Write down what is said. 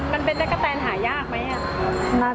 มันเป็นตั๊กกะแตนหายากไหมอ่ะ